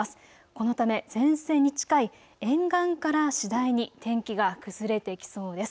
このため前線に近い沿岸から次第に天気が崩れてきそうです。